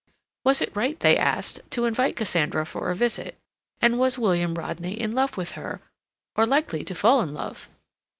Was it right, they asked, to invite Cassandra for a visit, and was William Rodney in love with her, or likely to fall in love?